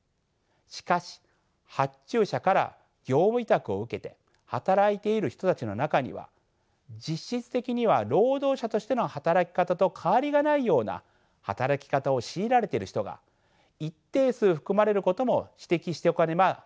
しかし発注者から業務委託を受けて働いている人たちの中には実質的には労働者としての働き方と変わりがないような働き方を強いられている人が一定数含まれることも指摘しておかねばなりません。